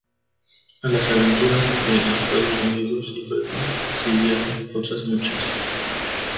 A las "aventuras" de Estados Unidos y Perú siguieron otras muchas.